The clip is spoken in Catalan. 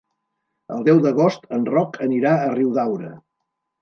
El deu d'agost en Roc anirà a Riudaura.